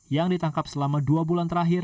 yang ditangkap selama dua bulan terakhir